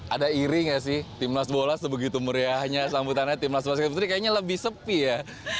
ada iri nggak sih tim nasi bola sebegitu meriahnya sambutannya tim nasi basket putri kayaknya lebih sepi ya